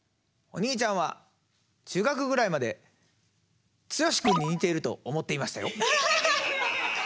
お兄ちゃんは中学ぐらいまで剛君に似ていると思っていましたよ。